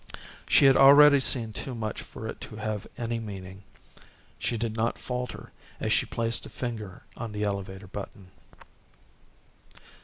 She had already seen too much for it to have any meaning. She did not falter as she placed a finger on the elevator button.